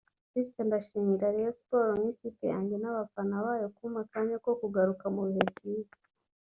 bityo ndashimira Rayon Sports nk’ikipe yanjye n’abafana bayo kumpa akanya ko kugaruka mu bihe byiza